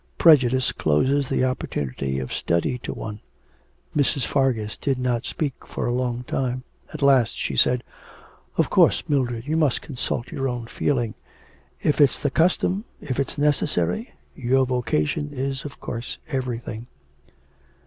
Prejudice closes the opportunity of study to one.' Mrs. Fargus did not speak for a long time. At last she said: 'Of course, Mildred, you must consult your own feeling; if it's the custom, if it's necessary Your vocation is of course everything.'